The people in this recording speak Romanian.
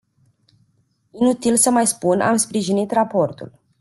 Inutil să mai spun, am sprijinit raportul.